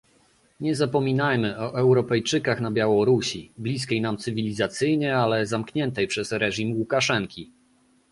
Nie zapominajmy o Europejczykach na Białorusi, bliskiej nam cywilizacyjnie, ale zamkniętej przez reżim Łukaszenki